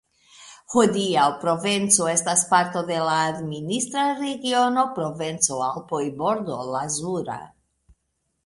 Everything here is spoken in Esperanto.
Hodiaŭ Provenco estas parto de la administra regiono Provenco-Alpoj-Bordo Lazura.